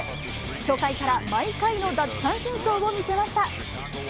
初回から毎回の奪三振ショーを見せました。